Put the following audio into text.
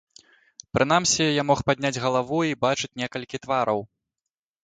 Прынамсі, я мог падняць галаву і бачыць некалькі твараў.